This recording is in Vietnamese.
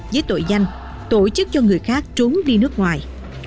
với tội danh tổ chức cho người khác trốn đi nước ngoài